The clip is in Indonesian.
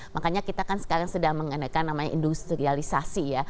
makanya kita kan sekarang sedang mengadakan namanya industrialisasi ya